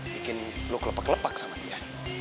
bikin lo kelepak lepak sama dia